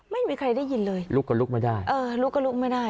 ไม่มีใครได้ยินเลยลุกก็ลุกไม่ได้เออลุกก็ลุกไม่ได้